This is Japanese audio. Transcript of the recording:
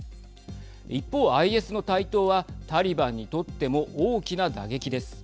一方、ＩＳの台頭はタリバンにとっても大きな打撃です。